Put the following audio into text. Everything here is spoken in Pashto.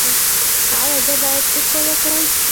ایا زه باید شکر وکړم؟